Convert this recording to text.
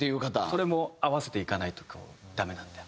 それも合わせていかないとダメなんで。